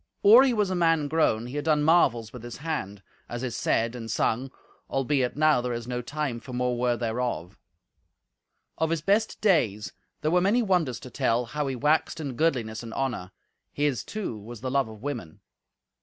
Or he was a man grown he had done marvels with his hand, as is said and sung, albeit now there is no time for more word thereof. Of his best days there were many wonders to tell, how he waxed in goodliness and honour; his, too, was the love of women.